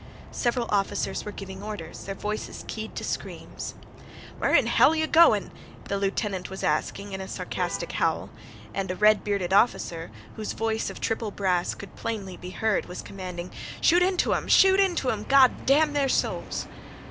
Several officers were giving orders, their voices keyed to screams. "Where in hell yeh goin'?" the lieutenant was asking in a sarcastic howl. And a red bearded officer, whose voice of triple brass could plainly be heard, was commanding: "Shoot into 'em! Shoot into 'em, Gawd damn their souls!"